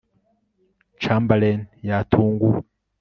chamberlain yatunguwe